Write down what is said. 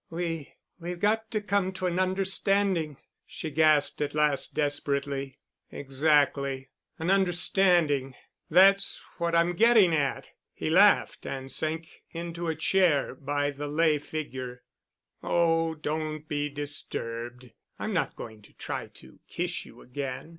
"We—we've got to come to an understanding——" she gasped at last desperately. "Exactly—an understanding. That's what I'm getting at——" he laughed and sank into a chair by the lay figure. "Oh, don't be disturbed. I'm not going to try to kiss you again.